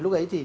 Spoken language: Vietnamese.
lúc ấy thì